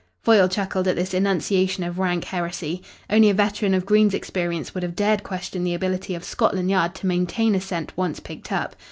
Foyle chuckled at this enunciation of rank heresy. Only a veteran of Green's experience would have dared question the ability of Scotland Yard to maintain a scent once picked up.